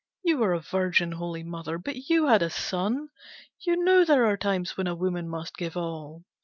You were a virgin, Holy Mother, but you had a son, you know there are times when a woman must give all.